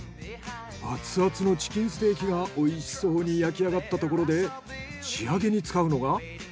アツアツのチキンステーキがおいしそうに焼きあがったところで仕上げに使うのが。